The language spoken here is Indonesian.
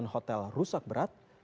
sembilan hotel rusak berat